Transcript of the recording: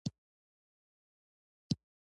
بدنۍ له اوبو ډکه وه.